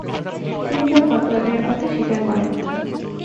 তিনি তার ফতোয়া দেয়ার কথা স্বীকার করেন।